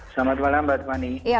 selamat malam mbak tepani